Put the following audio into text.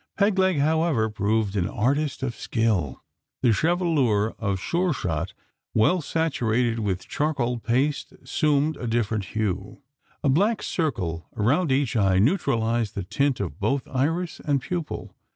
Peg leg, however, proved an artist of skill. The chevelure of Sure shot, well saturated with charcoal paste, assumed a different hue. A black circle around each eye neutralised the tint of both iris and pupil.